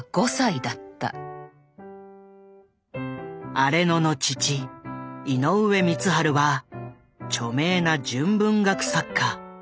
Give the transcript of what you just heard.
荒野の父井上光晴は著名な純文学作家。